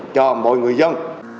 cho mọi người dân